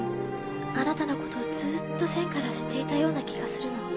あなたのことずっと先から知っていたような気がするの。